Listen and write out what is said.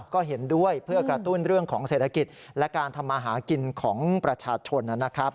ก็เห็นด้วยเพื่อกระตุ้นเรื่องของเศรษฐกิจและการทำมาหากินของประชาชนนะครับ